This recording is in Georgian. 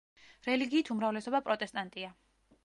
რელიგიით უმრავლესობა პროტესტანტია.